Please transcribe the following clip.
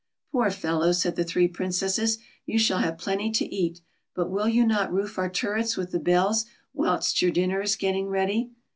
" Poor fellow s," said the three Princesses, "you shall have plenty to eat; but will you not roof our turrets with the bells whilst your dinner is getting ready.'"